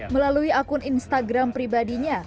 melalui akun instagram pribadinya